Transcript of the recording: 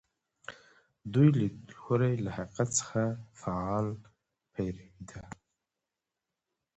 دویم لیدلوری له حقیقت څخه فعاله پیروي ده.